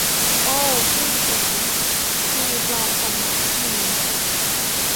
โอว เพิ่งเห็น ฟรีฟอร์มสำนักพิมพ์